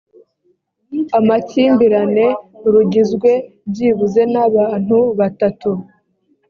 amakimbirane rugizwe byibuze n abantu batatu